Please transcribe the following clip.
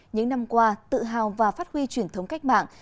những năm qua tự hào và phát huy truyền thống cách mạng